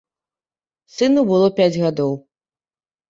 Сыну было пяць гадоў.